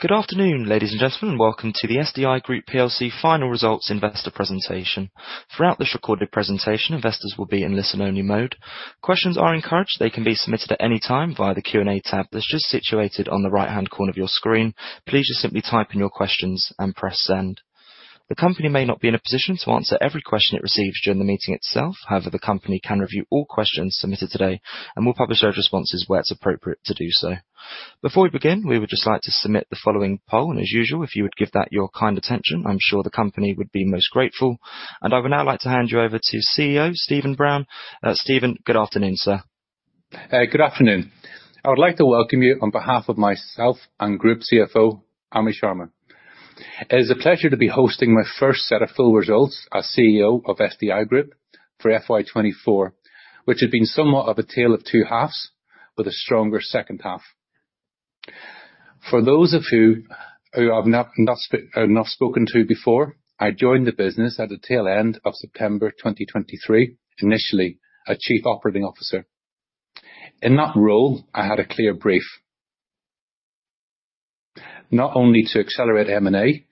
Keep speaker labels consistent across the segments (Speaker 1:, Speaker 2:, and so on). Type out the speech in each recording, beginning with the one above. Speaker 1: Good afternoon, ladies and gentlemen, and welcome to the SDI Group PLC Final Results Investor Presentation. Throughout this recorded presentation, investors will be in listen-only mode. Questions are encouraged. They can be submitted at any time via the Q&A tab that's just situated on the right-hand corner of your screen. Please just simply type in your questions and press send. The company may not be in a position to answer every question it receives during the meeting itself. However, the company can review all questions submitted today and will publish those responses where it's appropriate to do so. Before we begin, we would just like to submit the following poll, and as usual, if you would give that your kind attention, I'm sure the company would be most grateful. And I would now like to hand you over to CEO, Stephen Brown. Stephen, good afternoon, sir.
Speaker 2: Good afternoon. I would like to welcome you on behalf of myself and Group CFO, Ami Sharma. It is a pleasure to be hosting my first set of full results as CEO of SDI Group for FY 2024, which had been somewhat of a tale of two halves, with a stronger second half. For those of you who I've not spoken to before, I joined the business at the tail end of September 2023, initially as Chief Operating Officer. In that role, I had a clear brief. Not only to accelerate M&A,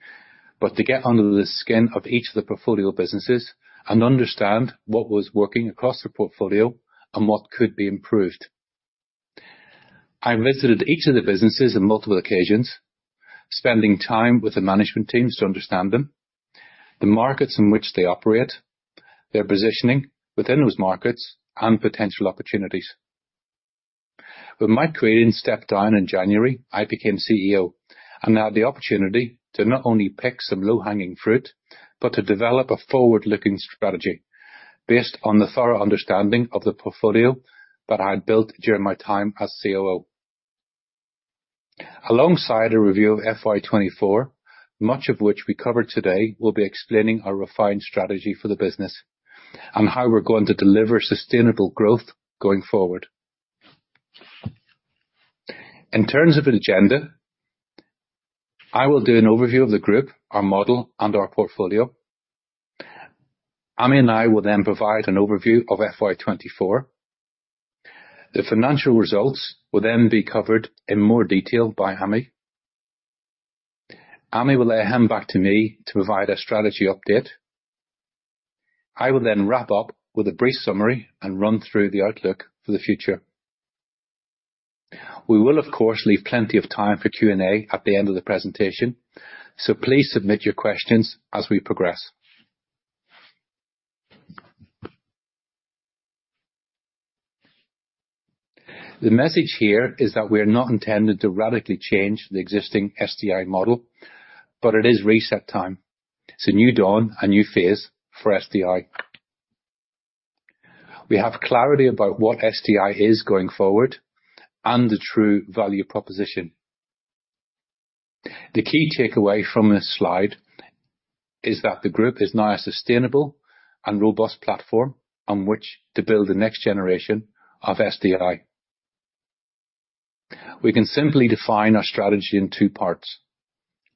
Speaker 2: but to get under the skin of each of the portfolio businesses and understand what was working across the portfolio and what could be improved. I visited each of the businesses on multiple occasions, spending time with the management teams to understand them, the markets in which they operate, their positioning within those markets, and potential opportunities. When Mike Creedon stepped down in January, I became CEO, and I had the opportunity to not only pick some low-hanging fruit, but to develop a forward-looking strategy based on the thorough understanding of the portfolio that I had built during my time as COO. Alongside a review of FY 2024, much of which we cover today, we'll be explaining our refined strategy for the business and how we're going to deliver sustainable growth going forward. In terms of the agenda, I will do an overview of the group, our model, and our portfolio. Ami and I will then provide an overview of FY 2024. The financial results will then be covered in more detail by Ami. Ami will then hand back to me to provide a strategy update. I will then wrap up with a brief summary and run through the outlook for the future. We will, of course, leave plenty of time for Q&A at the end of the presentation, so please submit your questions as we progress. The message here is that we are not intending to radically change the existing SDI model, but it is reset time. It's a new dawn, a new phase for SDI. We have clarity about what SDI is going forward and the true value proposition. The key takeaway from this slide is that the group is now a sustainable and robust platform on which to build the next generation of SDI. We can simply define our strategy in two parts: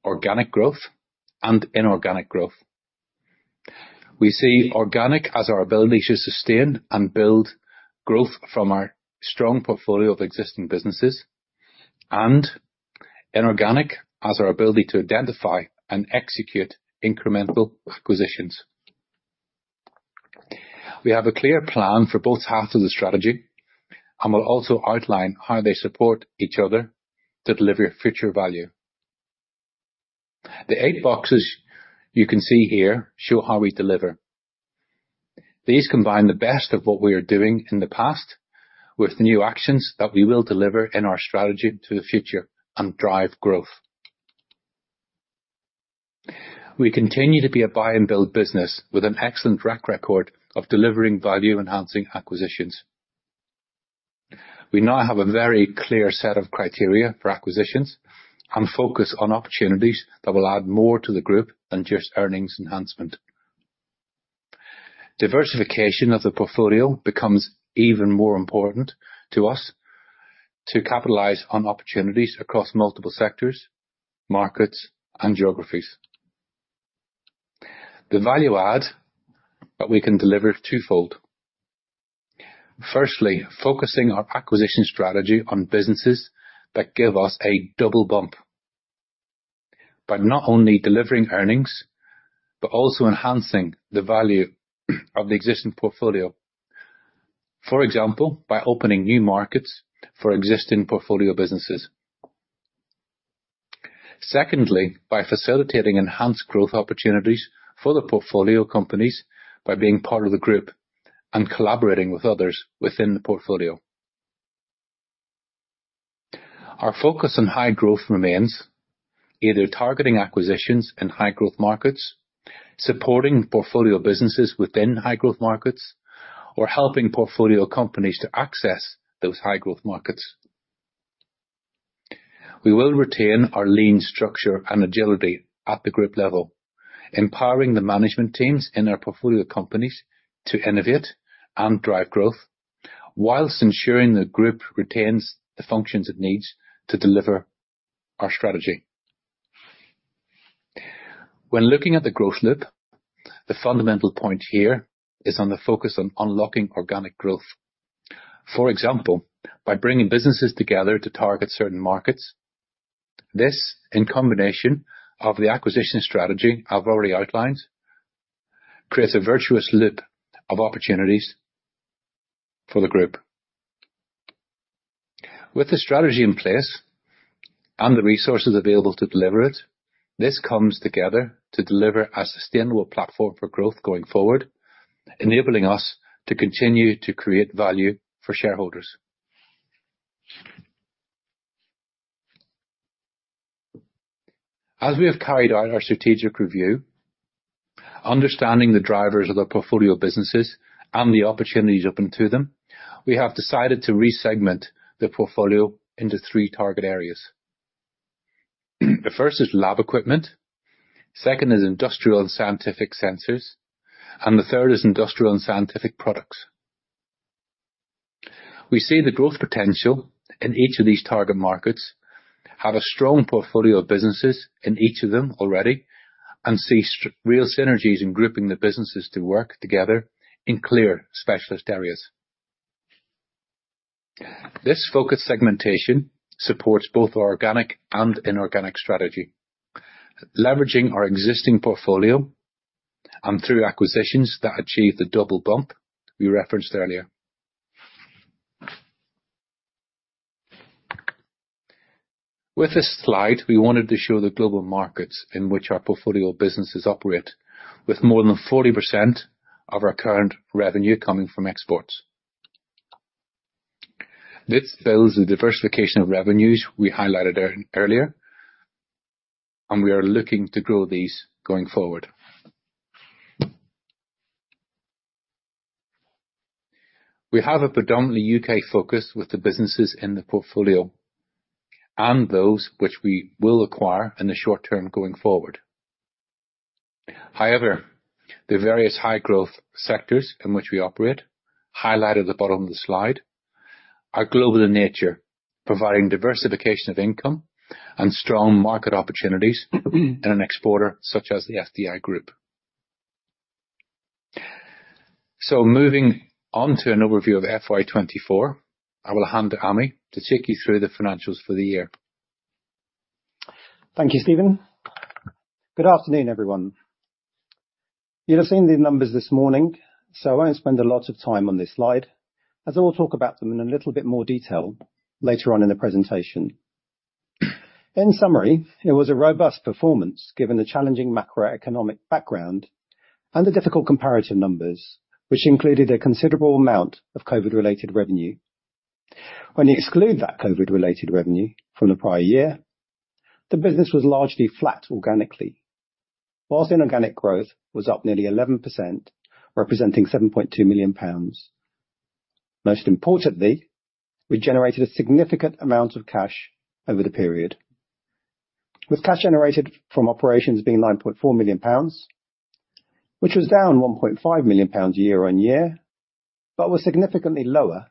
Speaker 2: organic growth and inorganic growth. We see organic as our ability to sustain and build growth from our strong portfolio of existing businesses, and inorganic as our ability to identify and execute incremental acquisitions. We have a clear plan for both halves of the strategy and will also outline how they support each other to deliver future value. The eight boxes you can see here show how we deliver. These combine the best of what we are doing in the past with new actions that we will deliver in our strategy to the future and drive growth. We continue to be a buy and build business with an excellent track record of delivering value-enhancing acquisitions. We now have a very clear set of criteria for acquisitions and focus on opportunities that will add more to the group than just earnings enhancement. Diversification of the portfolio becomes even more important to us to capitalize on opportunities across multiple sectors, markets, and geographies. The value add that we can deliver is twofold. Firstly, focusing our acquisition strategy on businesses that give us a double bump, by not only delivering earnings, but also enhancing the value of the existing portfolio. For example, by opening new markets for existing portfolio businesses. Secondly, by facilitating enhanced growth opportunities for the portfolio companies by being part of the group and collaborating with others within the portfolio. Our focus on high growth remains, either targeting acquisitions in high growth markets, supporting portfolio businesses within high growth markets, or helping portfolio companies to access those high growth markets. We will retain our lean structure and agility at the group level, empowering the management teams in our portfolio companies to innovate and drive growth, whilst ensuring the group retains the functions it needs to deliver our strategy. When looking at the growth loop, the fundamental point here is on the focus on unlocking organic growth. For example, by bringing businesses together to target certain markets. This, in combination of the acquisition strategy I've already outlined, creates a virtuous loop of opportunities for the group. With the strategy in place and the resources available to deliver it, this comes together to deliver a sustainable platform for growth going forward, enabling us to continue to create value for shareholders. As we have carried out our strategic review, understanding the drivers of the portfolio businesses and the opportunities open to them, we have decided to re-segment the portfolio into three target areas. The first is lab equipment, second is industrial and scientific sensors, and the third is industrial and scientific products. We see the growth potential in each of these target markets, have a strong portfolio of businesses in each of them already, and see real synergies in grouping the businesses to work together in clear specialist areas. This focused segmentation supports both organic and inorganic strategy, leveraging our existing portfolio and through acquisitions that achieve the double bump we referenced earlier. With this slide, we wanted to show the global markets in which our portfolio of businesses operate, with more than 40% of our current revenue coming from exports. This shows the diversification of revenues we highlighted earlier, and we are looking to grow these going forward. We have a predominantly UK focus with the businesses in the portfolio and those which we will acquire in the short term going forward. However, the various high growth sectors in which we operate, highlighted at the bottom of the slide, are global in nature, providing diversification of income and strong market opportunities, and an exporter such as the SDI Group. So moving on to an overview of FY 2024, I will hand to Ami to take you through the financials for the year.
Speaker 3: Thank you, Stephen. Good afternoon, everyone. You'll have seen the numbers this morning, so I won't spend a lot of time on this slide, as I will talk about them in a little bit more detail later on in the presentation. In summary, it was a robust performance, given the challenging macroeconomic background and the difficult comparison numbers, which included a considerable amount of COVID-related revenue. When you exclude that COVID-related revenue from the prior year, the business was largely flat organically. Whilst inorganic growth was up nearly 11%, representing 7.2 million pounds, most importantly, we generated a significant amount of cash over the period, with cash generated from operations being 9.4 million pounds, which was down 1.5 million pounds year-on-year, but was significantly lower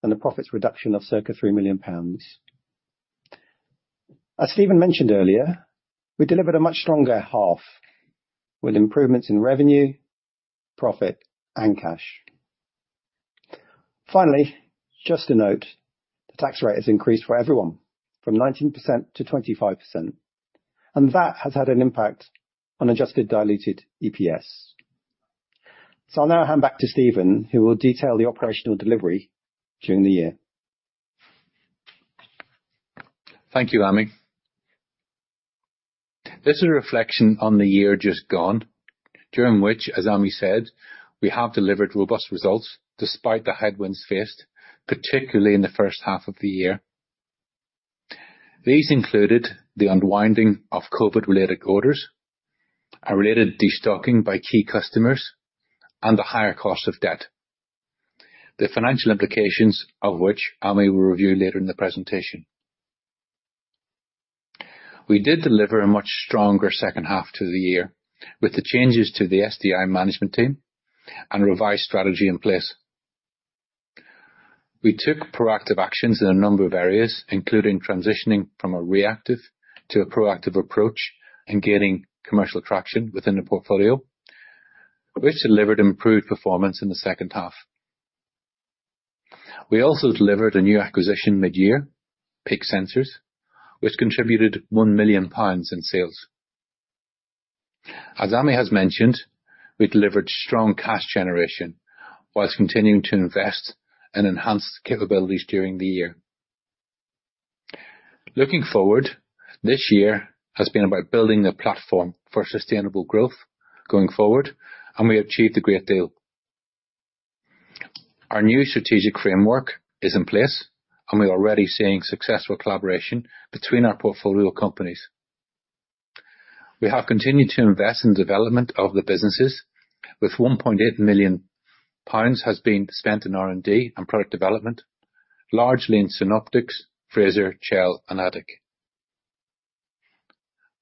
Speaker 3: than the profits reduction of circa 3 million pounds. As Stephen mentioned earlier, we delivered a much stronger half, with improvements in revenue, profit, and cash. Finally, just to note, the tax rate has increased for everyone from 19%-25%, and that has had an impact on adjusted diluted EPS. I'll now hand back to Stephen, who will detail the operational delivery during the year.
Speaker 2: Thank you, Ami. This is a reflection on the year just gone, during which, as Ami said, we have delivered robust results despite the headwinds faced, particularly in the first half of the year. These included the unwinding of COVID-related orders, a related destocking by key customers, and the higher cost of debt, the financial implications of which Ami will review later in the presentation. We did deliver a much stronger second half to the year, with the changes to the SDI management team and revised strategy in place. We took proactive actions in a number of areas, including transitioning from a reactive to a proactive approach and gaining commercial traction within the portfolio, which delivered improved performance in the second half. We also delivered a new acquisition mid-year, Peak Sensors, which contributed 1 million pounds in sales. As Ami has mentioned, we delivered strong cash generation while continuing to invest in enhanced capabilities during the year. Looking forward, this year has been about building a platform for sustainable growth going forward, and we achieved a great deal. Our new strategic framework is in place, and we're already seeing successful collaboration between our portfolio companies. We have continued to invest in development of the businesses, with 1.8 million pounds has been spent in R&D and product development, largely in Synoptics, Fraser, Chell, and Atik.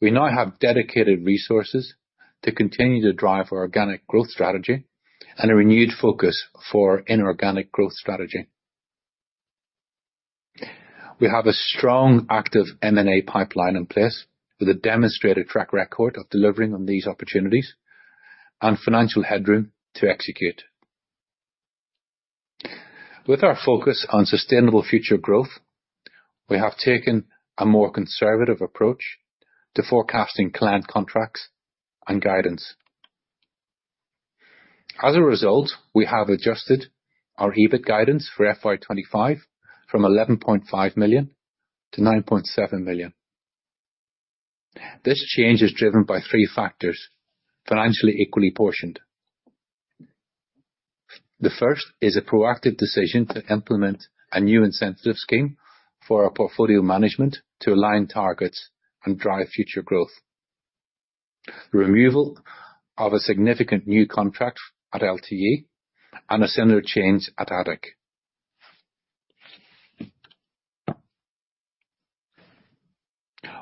Speaker 2: We now have dedicated resources to continue to drive organic growth strategy and a renewed focus for inorganic growth strategy. We have a strong, active M&A pipeline in place, with a demonstrated track record of delivering on these opportunities, and financial headroom to execute. With our focus on sustainable future growth, we have taken a more conservative approach to forecasting client contracts and guidance. As a result, we have adjusted our EBIT guidance for FY 2025 from 11.5 million to 9.7 million. This change is driven by three factors, financially equally portioned. The first is a proactive decision to implement a new incentive scheme for our portfolio management to align targets and drive future growth. Removal of a significant new contract at LTE, and a similar change at Atik.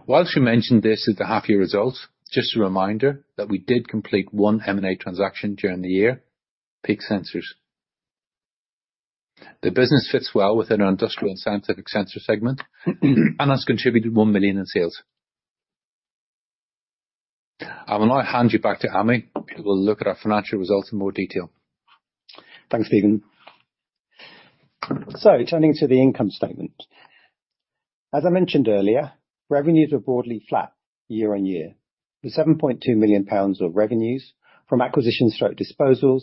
Speaker 2: While we mentioned this at the half-year results, just a reminder that we did complete one M&A transaction during the year, Peak Sensors. The business fits well within our industrial and scientific sensor segment, and has contributed 1 million in sales. I will now hand you back to Ami, who will look at our financial results in more detail.
Speaker 3: Thanks, Stephen. So, turning to the income statement. As I mentioned earlier, revenues are broadly flat year-on-year, with 7.2 million pounds of revenues from acquisition/disposals,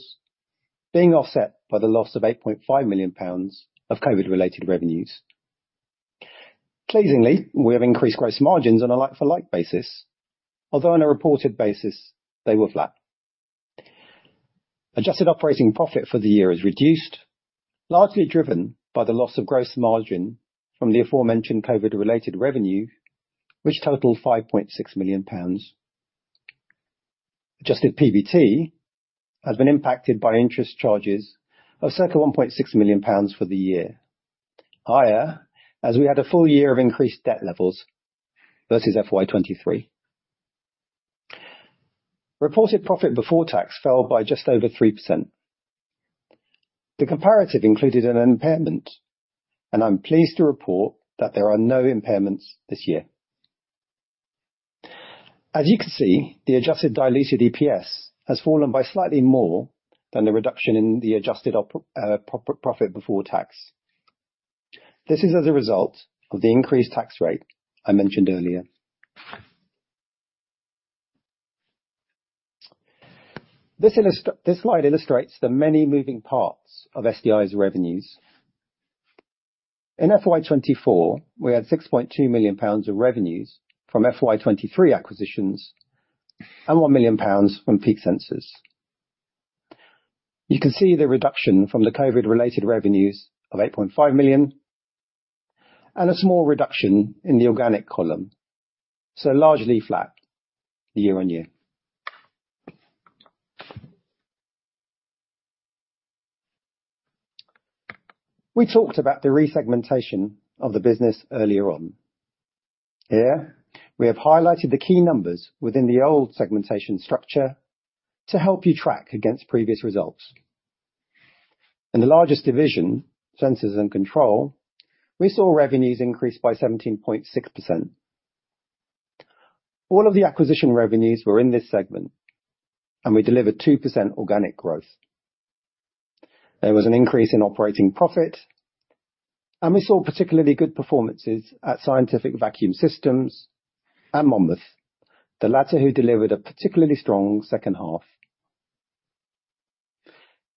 Speaker 3: being offset by the loss of 8.5 million pounds of COVID-related revenues. Pleasingly, we have increased gross margins on a like-for-like basis, although on a reported basis, they were flat. Adjusted operating profit for the year is reduced, largely driven by the loss of gross margin from the aforementioned COVID-related revenue, which totaled 5.6 million pounds. Adjusted PBT has been impacted by interest charges of circa 1.6 million pounds for the year. Higher, as we had a full year of increased debt levels versus FY 2023. Reported profit before tax fell by just over 3%. The comparative included an impairment, and I'm pleased to report that there are no impairments this year. As you can see, the adjusted diluted EPS has fallen by slightly more than the reduction in the adjusted operating profit before tax. This is as a result of the increased tax rate I mentioned earlier. This slide illustrates the many moving parts of SDI's revenues. In FY 2024, we had 6.2 million pounds of revenues from FY 2023 acquisitions, and 1 million pounds from Peak Sensors. You can see the reduction from the COVID-related revenues of 8.5 million, and a small reduction in the organic column, so largely flat year-on-year. We talked about the resegmentation of the business earlier on. Here, we have highlighted the key numbers within the old segmentation structure to help you track against previous results. In the largest division, Sensors and Control, we saw revenues increase by 17.6%. All of the acquisition revenues were in this segment, and we delivered 2% organic growth. There was an increase in operating profit, and we saw particularly good performances at Scientific Vacuum Systems and Monmouth, the latter who delivered a particularly strong second half.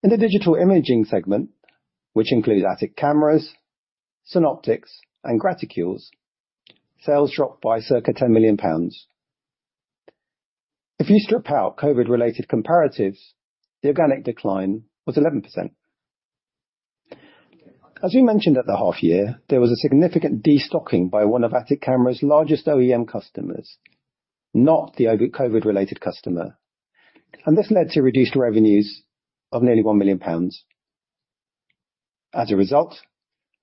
Speaker 3: In the digital imaging segment, which includes Atik Cameras, Synoptics, and Graticules, sales dropped by circa 10 million pounds. If you strip out COVID-related comparatives, the organic decline was 11%. As we mentioned at the half year, there was a significant destocking by one of Atik Cameras' largest OEM customers, not the COVID-related customer, and this led to reduced revenues of nearly 1 million pounds. As a result,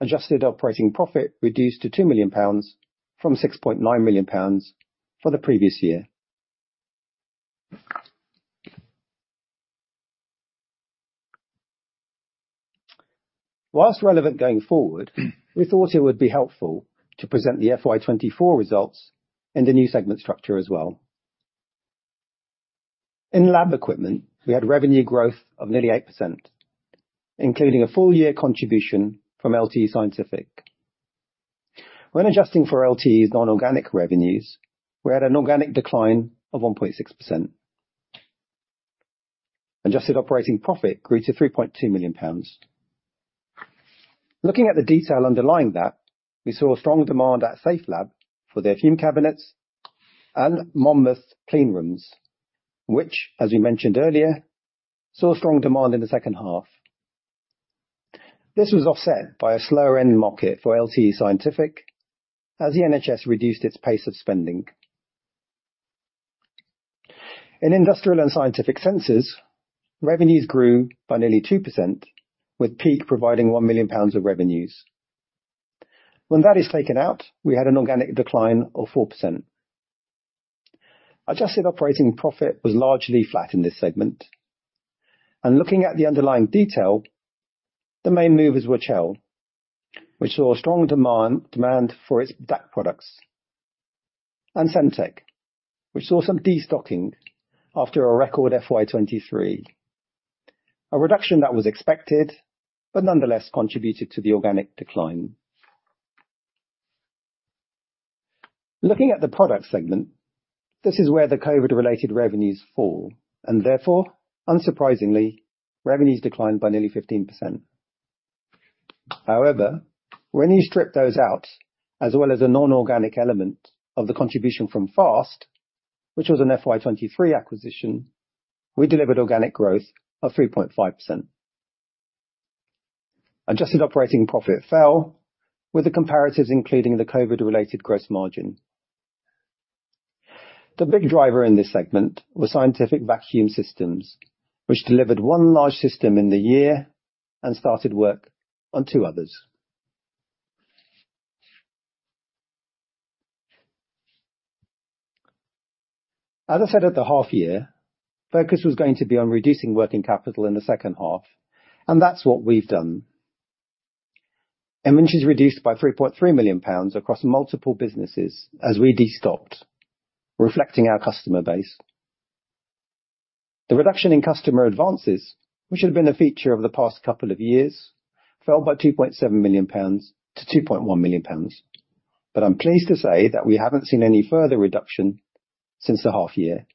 Speaker 3: adjusted operating profit reduced to 2 million pounds from 6.9 million pounds for the previous year. While relevant going forward, we thought it would be helpful to present the FY 2024 results in the new segment structure as well. In Lab Equipment, we had revenue growth of nearly 8%, including a full year contribution from LTE Scientific. When adjusting for LTE's non-organic revenues, we had an organic decline of 1.6%. Adjusted operating profit grew to 3.2 million pounds. Looking at the detail underlying that, we saw strong demand at Safelab for their fume cabinets and Monmouth clean rooms, which, as we mentioned earlier, saw strong demand in the second half. This was offset by a slower end market for LTE Scientific as the NHS reduced its pace of spending. In industrial and scientific sensors, revenues grew by nearly 2%, with Peak providing 1 million pounds of revenues. When that is taken out, we had an organic decline of 4%. Adjusted operating profit was largely flat in this segment. And looking at the underlying detail, the main movers were Chell, which saw strong demand, demand for its DAQ products, and Sentek, which saw some destocking after a record FY 2023. A reduction that was expected, but nonetheless contributed to the organic decline. Looking at the Product segment, this is where the COVID-related revenues fall, and therefore, unsurprisingly, revenues declined by nearly 15%. However, when you strip those out, as well as a non-organic element of the contribution from FAST, which was an FY 2023 acquisition, we delivered organic growth of 3.5%. Adjusted operating profit fell, with the comparatives, including the COVID-related gross margin. The big driver in this segment was scientific vacuum systems, which delivered one large system in the year and started work on two others. As I said, at the half year, focus was going to be on reducing working capital in the second half, and that's what we've done. NWC is reduced by 3.3 million pounds across multiple businesses as we destocked, reflecting our customer base. The reduction in customer advances, which had been a feature over the past couple of years, fell by 2.7 million pounds to 2.1 million pounds. But I'm pleased to say that we haven't seen any further reduction since the half year.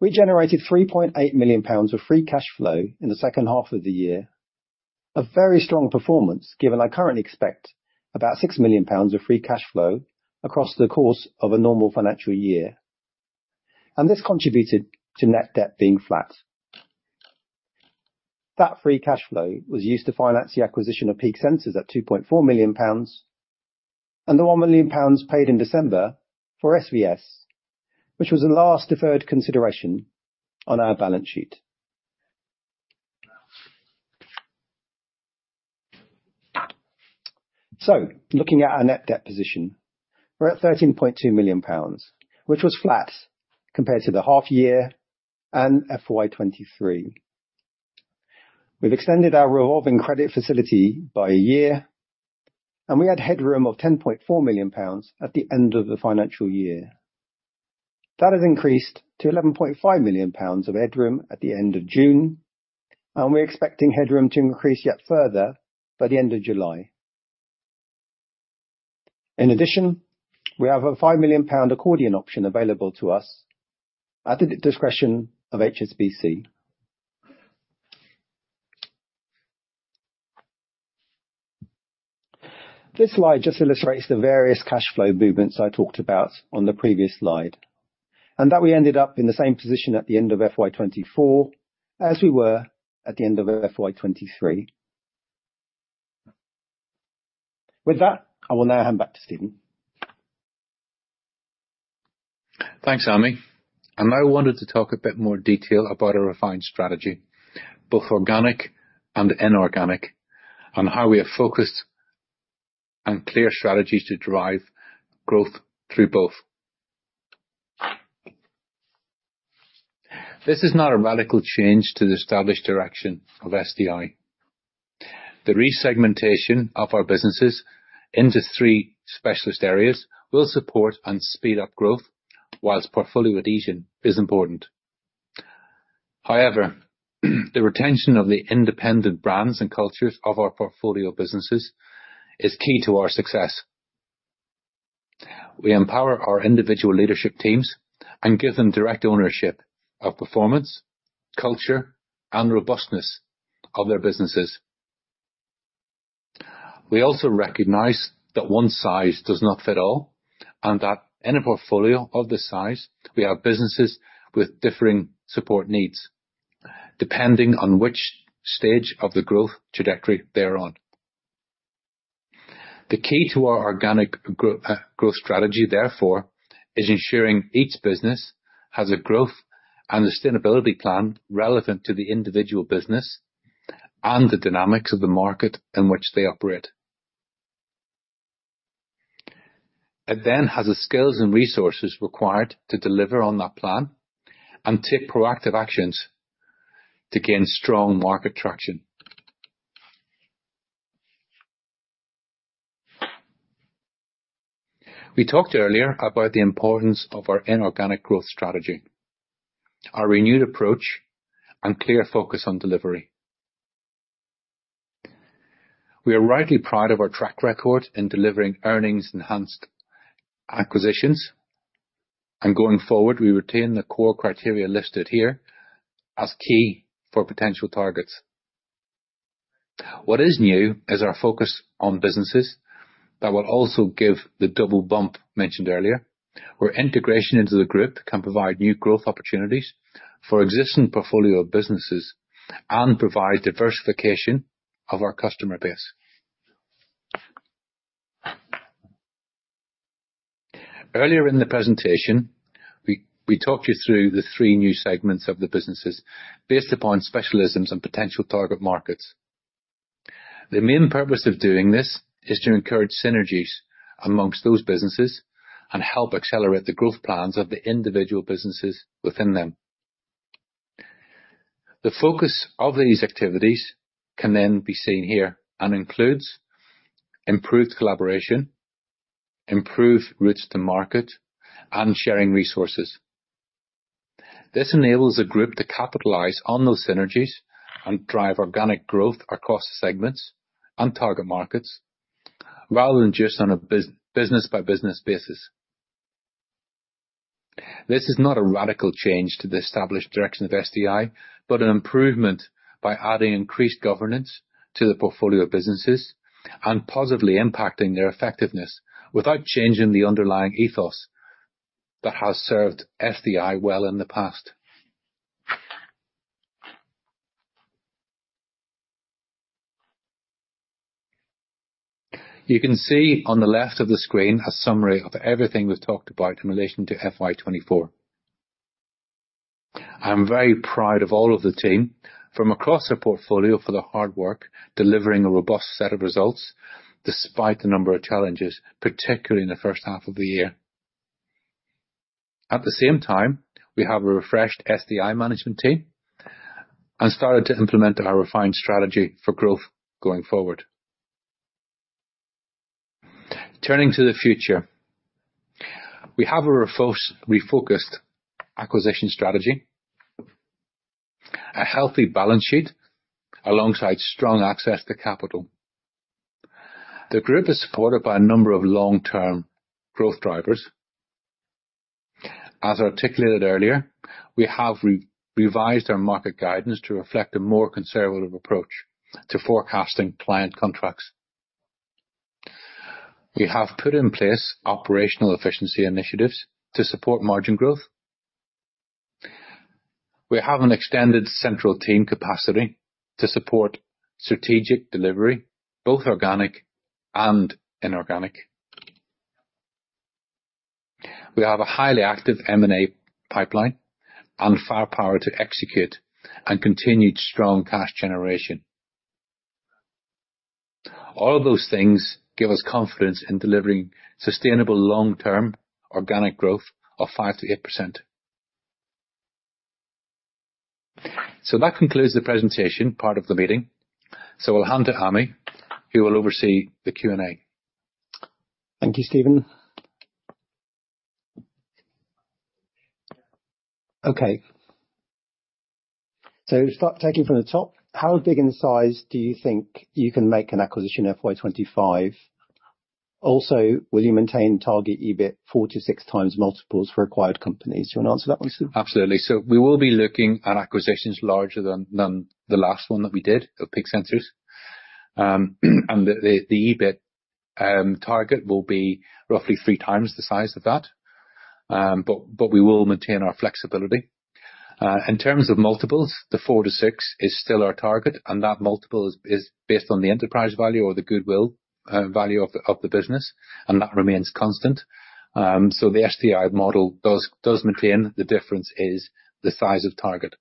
Speaker 3: We generated 3.8 million pounds of free cash flow in the second half of the year. A very strong performance, given I currently expect about 6 million pounds of free cash flow across the course of a normal financial year, and this contributed to net debt being flat. That free cash flow was used to finance the acquisition of Peak Sensors at 2.4 million pounds, and the 1 million pounds paid in December for SVS, which was the last deferred consideration on our balance sheet. So looking at our net debt position, we're at 13.2 million pounds, which was flat compared to the half year and FY 2023. We've extended our revolving credit facility by a year, and we had headroom of 10.4 million pounds at the end of the financial year. That has increased to 11.5 million pounds of headroom at the end of June, and we're expecting headroom to increase yet further by the end of July. In addition, we have a 5 million pound accordion option available to us at the discretion of HSBC. This slide just illustrates the various cash flow movements I talked about on the previous slide, and that we ended up in the same position at the end of FY 2024 as we were at the end of FY 2023. With that, I will now hand back to Stephen.
Speaker 2: Thanks, Ami. I wanted to talk a bit more detail about our refined strategy, both organic and inorganic, on how we are focused on clear strategies to drive growth through both. This is not a radical change to the established direction of SDI. The resegmentation of our businesses into three specialist areas will support and speed up growth, whilst portfolio adhesion is important. However, the retention of the independent brands and cultures of our portfolio businesses is key to our success. We empower our individual leadership teams and give them direct ownership of performance, culture, and robustness of their businesses. We also recognize that one size does not fit all, and that in a portfolio of this size, we have businesses with differing support needs, depending on which stage of the growth trajectory they're on. The key to our organic growth strategy, therefore, is ensuring each business has a growth and sustainability plan relevant to the individual business and the dynamics of the market in which they operate. It then has the skills and resources required to deliver on that plan and take proactive actions to gain strong market traction. We talked earlier about the importance of our inorganic growth strategy, our renewed approach, and clear focus on delivery. We are rightly proud of our track record in delivering earnings-enhanced acquisitions, and going forward, we retain the core criteria listed here as key for potential targets. What is new is our focus on businesses that will also give the double bump mentioned earlier, where integration into the group can provide new growth opportunities for existing portfolio of businesses and provide diversification of our customer base. Earlier in the presentation, we talked you through the three new segments of the businesses based upon specialisms and potential target markets. The main purpose of doing this is to encourage synergies amongst those businesses and help accelerate the growth plans of the individual businesses within them. The focus of these activities can then be seen here, and includes: improved collaboration, improved routes to market, and sharing resources. This enables the group to capitalize on those synergies and drive organic growth across segments and target markets, rather than just on a business by business basis. This is not a radical change to the established direction of SDI, but an improvement by adding increased governance to the portfolio of businesses, and positively impacting their effectiveness without changing the underlying ethos that has served SDI well in the past. You can see on the left of the screen a summary of everything we've talked about in relation to FY 2024. I'm very proud of all of the team from across our portfolio for their hard work, delivering a robust set of results despite the number of challenges, particularly in the first half of the year. At the same time, we have a refreshed SDI management team and started to implement our refined strategy for growth going forward. Turning to the future, we have a refocused acquisition strategy, a healthy balance sheet, alongside strong access to capital. The group is supported by a number of long-term growth drivers. As articulated earlier, we have revised our market guidance to reflect a more conservative approach to forecasting client contracts. We have put in place operational efficiency initiatives to support margin growth. We have an extended central team capacity to support strategic delivery, both organic and inorganic. We have a highly active M&A pipeline and firepower to execute and continued strong cash generation. All of those things give us confidence in delivering sustainable long-term organic growth of 5%-8%. That concludes the presentation part of the meeting. I'll hand to Ami, who will oversee the Q&A.
Speaker 3: Thank you, Stephen. Okay. So start taking from the top: How big in size do you think you can make an acquisition in FY 2025? Also, will you maintain target EBIT 4-6x multiples for acquired companies? Do you want to answer that one, Stephen?
Speaker 2: Absolutely. So we will be looking at acquisitions larger than the last one that we did, of Peak Sensors. And the EBIT target will be roughly 3x the size of that, but we will maintain our flexibility. In terms of multiples, the 4-6 is still our target, and that multiple is based on the enterprise value or the goodwill value of the business, and that remains constant. So the SDI model does maintain, the difference is the size of target.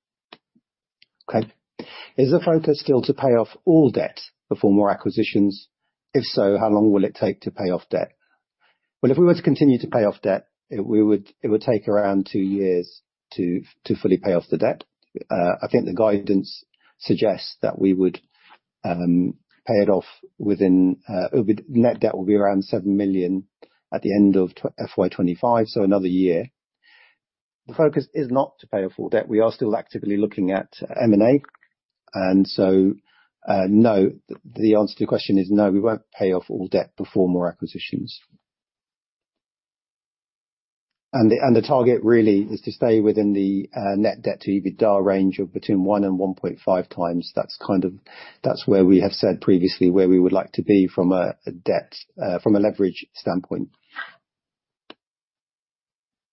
Speaker 3: Okay. Is the focus still to pay off all debt before more acquisitions? If so, how long will it take to pay off debt? Well, if we were to continue to pay off debt, it would take around two years to fully pay off the debt? I think the guidance suggests that we would pay it off within, net debt will be around 7 million at the end of FY 2025, so another year. The focus is not to pay off all debt. We are still actively looking at M&A, and so, no, the answer to the question is no, we won't pay off all debt before more acquisitions. And the target really is to stay within the net debt to EBITDA range of between 1x and 1.5x. That's kind of. That's where we have said previously where we would like to be from a debt, from a leverage standpoint.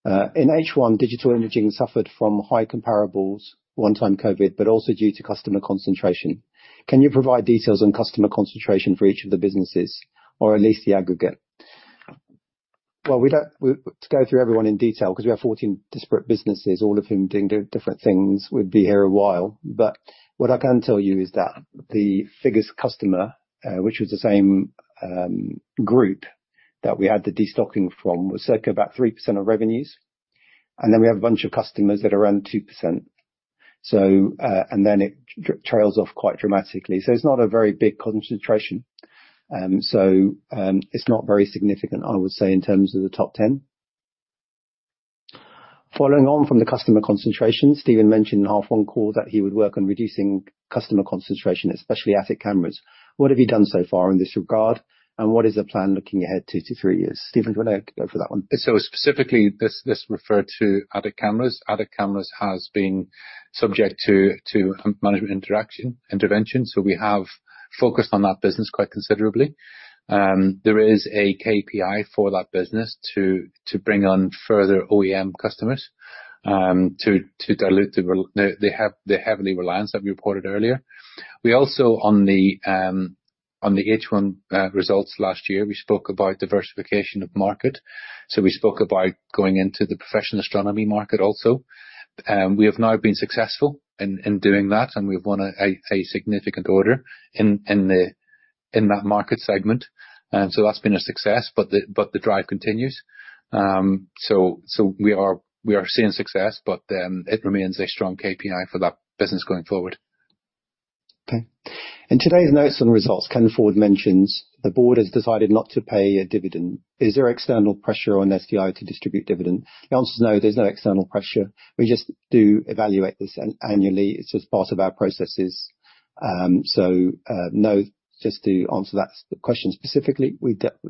Speaker 3: In H1, digital imaging suffered from high comparables, one-time COVID, but also due to customer concentration. Can you provide details on customer concentration for each of the businesses, or at least the aggregate? Well, we don't to go through everyone in detail, because we have 14 disparate businesses, all of whom doing different things, we'd be here a while. But what I can tell you is that the biggest customer, which was the same group that we had the destocking from, was circa about 3% of revenues. And then we have a bunch of customers at around 2%. So, and then it trails off quite dramatically. So it's not a very big concentration, it's not very significant, I would say, in terms of the top 10. Following on from the customer concentration, Stephen mentioned in the half-one call that he would work on reducing customer concentration, especially Atik Cameras. What have you done so far in this regard, and what is the plan looking ahead two to three years? Stephen, do you want to go for that one?
Speaker 2: So specifically, this referred to Atik Cameras. Atik Cameras has been subject to management intervention, so we have focused on that business quite considerably. There is a KPI for that business to bring on further OEM customers, to dilute the heavy reliance that we reported earlier. We also, on the H1 results last year, we spoke about diversification of market. So we spoke about going into the professional astronomy market also. We have now been successful in doing that, and we've won a significant order in that market segment, and so that's been a success, but the drive continues. So we are seeing success, but then it remains a strong KPI for that business going forward.
Speaker 3: Okay. In today's notes and results, Ken Ford mentions, "The board has decided not to pay a dividend. Is there external pressure on SDI to distribute dividend?" The answer is no, there's no external pressure. We just do evaluate this annually. It's just part of our processes. No, just to answer that question specifically,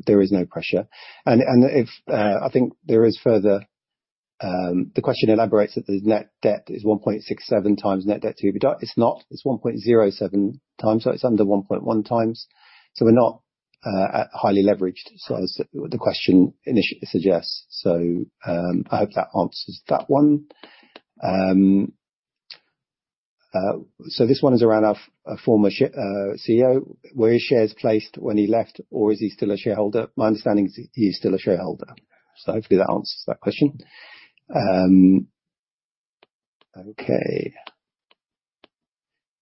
Speaker 3: there is no pressure. And if I think there is further, the question elaborates that the net debt is 1.67x net debt to EBITDA. It's not. It's 1.07x, so it's under 1.1x. So we're not at highly leveraged, so as the question initially suggests. So I hope that answers that one. So this one is around our former CEO. Were his shares placed when he left, or is he still a shareholder? My understanding is he is still a shareholder. So hopefully that answers that question. Okay.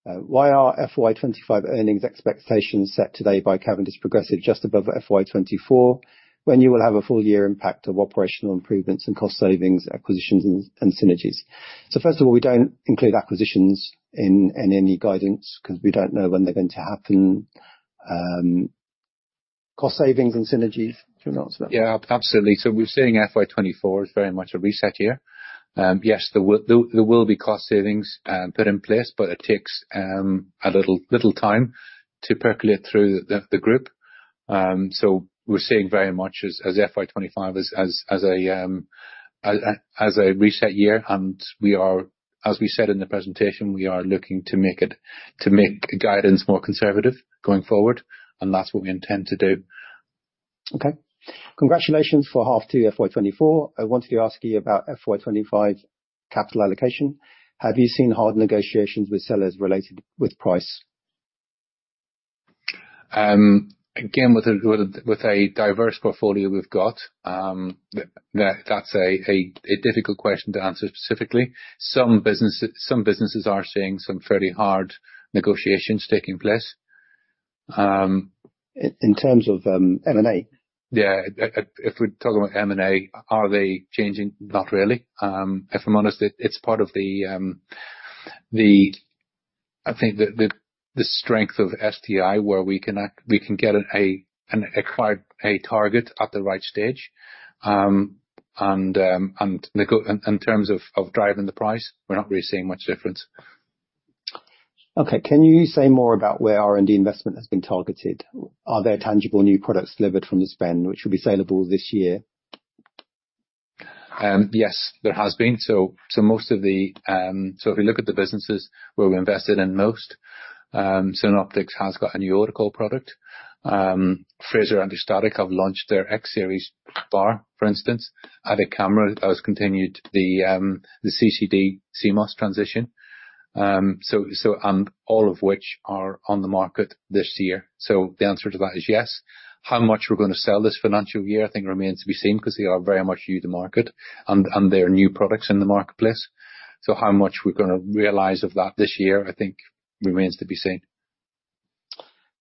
Speaker 3: Why are FY 2025 earnings expectations set today by Cavendish and Progressive just above FY 2024, when you will have a full year impact of operational improvements and cost savings, acquisitions and synergies? So first of all, we don't include acquisitions in any guidance because we don't know when they're going to happen. Cost savings and synergies. Do you want to answer that?
Speaker 2: Yeah, absolutely. So we're saying FY 2024 is very much a reset year. Yes, there will be cost savings put in place, but it takes a little time to percolate through the group. So we're seeing very much FY 2025 as a reset year, and we are, as we said in the presentation, looking to make the guidance more conservative going forward, and that's what we intend to do.
Speaker 3: Okay. Congratulations for H2 FY 2024. I wanted to ask you about FY 2025 capital allocation. Have you seen hard negotiations with sellers related with price?
Speaker 2: Again, with a diverse portfolio we've got, that's a difficult question to answer specifically. Some businesses are seeing some fairly hard negotiations taking place.
Speaker 3: In terms of M&A?
Speaker 2: Yeah. If we're talking about M&A, are they changing? Not really. If I'm honest, it's part of the, I think the strength of SDI, where we can get an acquired target at the right stage. And in terms of driving the price, we're not really seeing much difference.
Speaker 3: Okay. Can you say more about where R&D investment has been targeted? Are there tangible new products delivered from the spend, which will be sellable this year?
Speaker 2: Yes, there has been. So, if we look at the businesses where we invested in most, Synoptics has got a new optical product. Fraser Anti-Static have launched their X-Series bar. For instance, Atik Cameras that continued the CCD CMOS transition, and all of which are on the market this year. So the answer to that is yes. How much we're gonna sell this financial year, I think remains to be seen, because they are very much new to the market and they're new products in the marketplace. So how much we're gonna realize of that this year, I think remains to be seen.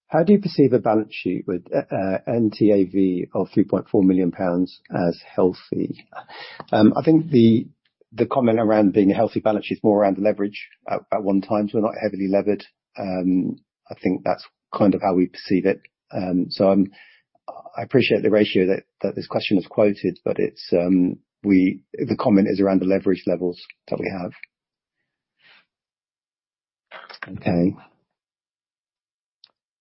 Speaker 3: How do you perceive a balance sheet with NTAV of 3.4 million pounds as healthy? I think the comment around being a healthy balance sheet is more around the leverage. At 1x, we're not heavily levered. I think that's kind of how we perceive it. So I appreciate the ratio that this question has quoted, but it's the comment around the leverage levels that we have. Okay.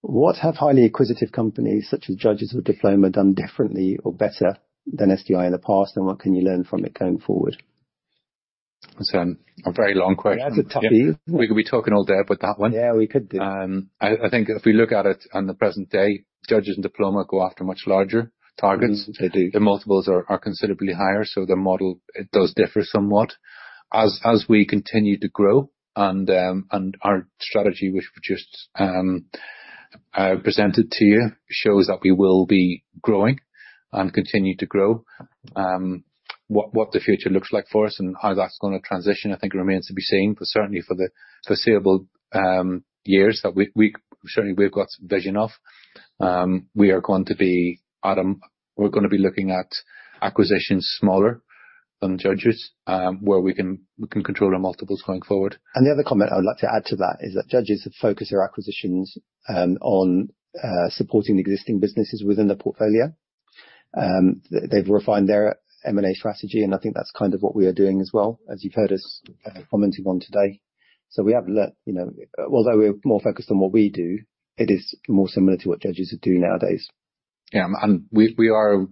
Speaker 3: What have highly acquisitive companies, such as Judges or Diploma, done differently or better than SDI in the past, and what can you learn from it going forward?
Speaker 2: It's a very long question.
Speaker 3: That's a toughie.
Speaker 2: We could be talking all day about that one.
Speaker 3: Yeah, we could do.
Speaker 2: I think if we look at it on the present day, Judges and Diploma go after much larger targets.
Speaker 3: They do.
Speaker 2: The multiples are considerably higher, so the model, it does differ somewhat. As we continue to grow, and our strategy, which we just presented to you, shows that we will be growing and continue to grow. What the future looks like for us and how that's gonna transition, I think remains to be seen, but certainly for the foreseeable years, that we certainly we've got vision of, we are going to be adding we're gonna be looking at acquisitions smaller than Judges, where we can control our multiples going forward.
Speaker 3: The other comment I would like to add to that is that Judges focus their acquisitions on supporting the existing businesses within the portfolio. They've refined their M&A strategy, and I think that's kind of what we are doing as well, as you've heard us commenting on today. So we have learned, you know, although we're more focused on what we do, it is more similar to what Judges do nowadays.
Speaker 2: Yeah, and we are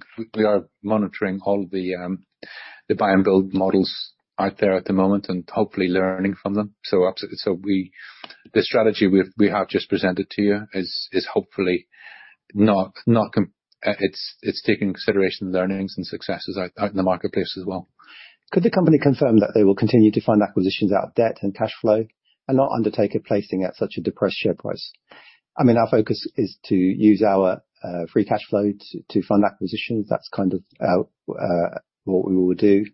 Speaker 2: monitoring all the buy and build models out there at the moment, and hopefully learning from them. So the strategy we've just presented to you is hopefully not, it's taking consideration of learnings and successes out in the marketplace as well.
Speaker 3: Could the company confirm that they will continue to find acquisitions out of debt and cash flow and not undertake a placing at such a depressed share price? I mean, our focus is to use our free cash flow to fund acquisitions. That's kind of our what we will do,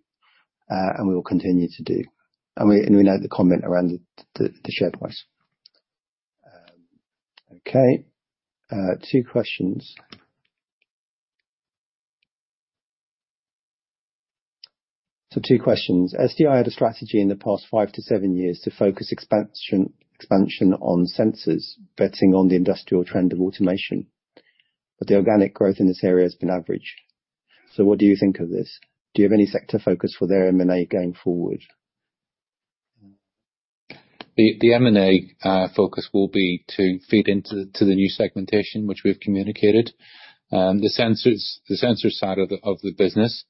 Speaker 3: and we will continue to do. And we note the comment around the share price. Okay, two questions. So two questions: SDI had a strategy in the past five to seven years to focus expansion on sensors, betting on the industrial trend of automation, but the organic growth in this area has been average. So what do you think of this? Do you have any sector focus for their M&A going forward?
Speaker 2: The M&A focus will be to feed into the new segmentation, which we've communicated. The sensors, the sensor side of the business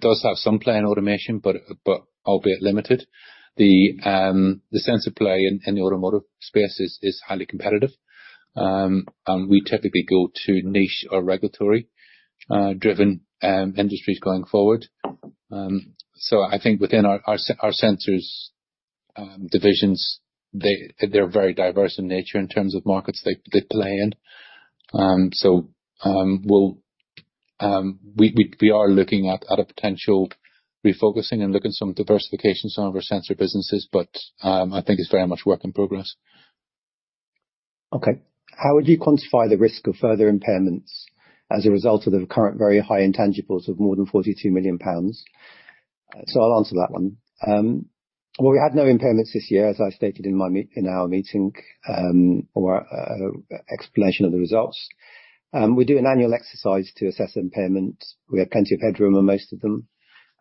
Speaker 2: does have some play in automation, but albeit limited. The sensor play in the automotive space is highly competitive. And we typically go to niche or regulatory driven industries going forward. So I think within our sensors divisions, they're very diverse in nature in terms of markets they play in. So we'll, we are looking at a potential refocusing and looking at some diversification some of our sensor businesses, but I think it's very much work in progress.
Speaker 3: Okay. How would you quantify the risk of further impairments as a result of the current very high intangibles of more than 42 million pounds? So I'll answer that one. Well, we had no impairments this year, as I stated in our meeting or explanation of the results. We do an annual exercise to assess impairment. We have plenty of headroom on most of them.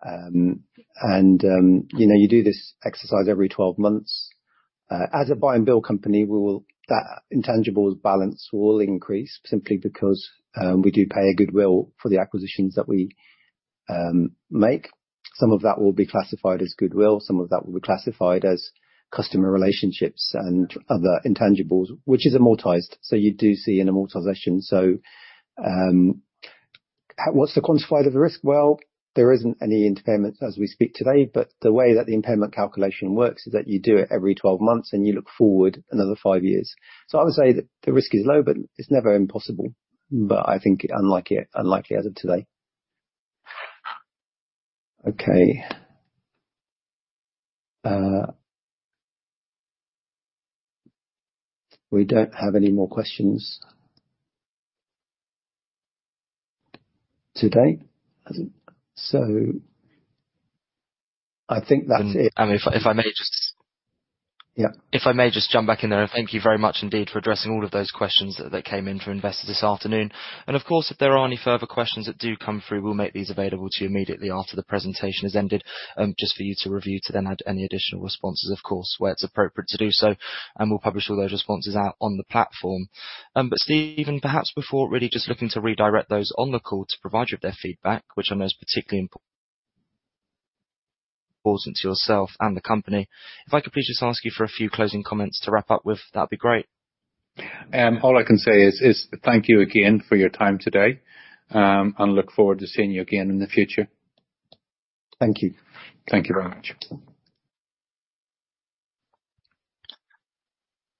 Speaker 3: And you know, you do this exercise every 12 months. As a buy and build company, that intangibles balance will increase simply because we do pay a goodwill for the acquisitions that we make. Some of that will be classified as goodwill, some of that will be classified as customer relationships and other intangibles, which is amortized. So you do see an amortization. So, what's the quantified of the risk? Well, there isn't any impairment as we speak today, but the way that the impairment calculation works is that you do it every 12 months, and you look forward another five years. So I would say that the risk is low, but it's never impossible. But I think unlikely, unlikely as of today. Okay. We don't have any more questions today, is it? So I think that's it.
Speaker 1: If I may just.
Speaker 3: Yeah.
Speaker 1: If I may just jump back in there. Thank you very much indeed for addressing all of those questions that came in from investors this afternoon. Of course, if there are any further questions that do come through, we'll make these available to you immediately after the presentation has ended, just for you to review to then add any additional responses, of course, where it's appropriate to do so, and we'll publish all those responses out on the platform. But Stephen, perhaps before really just looking to redirect those on the call to provide you with their feedback, which I know is particularly important to yourself and the company, if I could please just ask you for a few closing comments to wrap up with, that'd be great.
Speaker 2: All I can say is thank you again for your time today, and look forward to seeing you again in the future.
Speaker 3: Thank you.
Speaker 2: Thank you very much.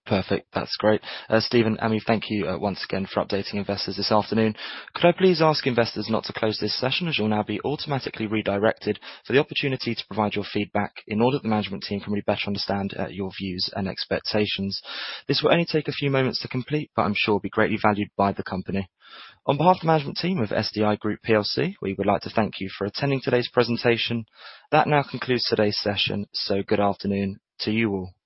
Speaker 1: Perfect. That's great. Stephen, and we thank you once again for updating investors this afternoon. Could I please ask investors not to close this session, as you'll now be automatically redirected for the opportunity to provide your feedback in order that the management team can really better understand your views and expectations. This will only take a few moments to complete, but I'm sure be greatly valued by the company. On behalf of the management team of SDI Group PLC, we would like to thank you for attending today's presentation. That now concludes today's session, so good afternoon to you all.